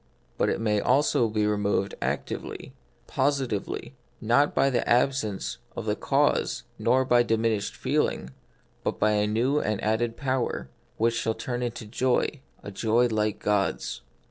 But it may also be removed actively, positively ; not The Mystery of Pain. 43 by the absence of the cause nor by diminished feeling, but by a new and added power, which shall turn it into joy — a joy like God's.